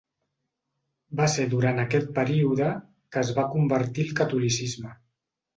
Va ser durant aquest període que es va convertir al catolicisme.